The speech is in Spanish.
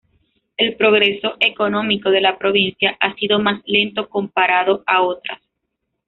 El progreso económico de la provincia ha sido más lento comparado a otras.